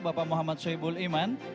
bapak muhammad soebul iman